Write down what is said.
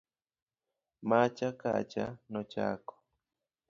macha kacha, nochako